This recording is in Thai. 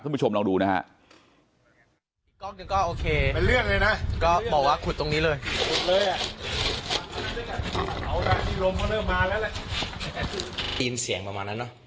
ผู้ชมลองดูนะฮะ